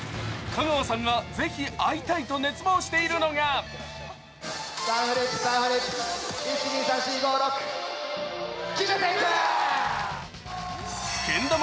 香川さんがぜひ会いたいと熱望しているのがけん玉